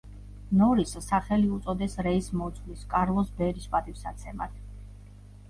ნორისს სახელი უწოდეს რეის მოძღვრის, კარლოს ბერის, პატივსაცემად.